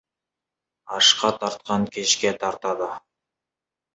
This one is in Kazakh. Ашқа тартқан кешке тартады.